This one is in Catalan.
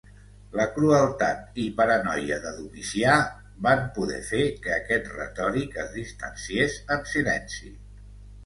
La crueltat i paranoia de Domicià van poder fer que aquest retòric es distanciés en silenci.